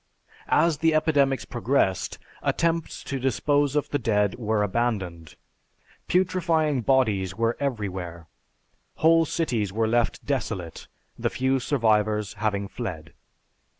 As the epidemics progressed, attempts to dispose of the dead were abandoned. Putrefying bodies were everywhere. Whole cities were left desolate, the few survivors having fled.